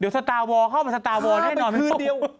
เดี๋ยวสตาร์ทวอร์เข้ามาสตาร์ทวอร์ให้หน่อยค่ะเป็นคืนเดียว